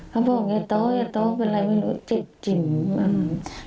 เขาบอกอย่าโต๊ะอย่าโต๊ะเป็นอะไรไม่รู้จิบจิ๋มอืม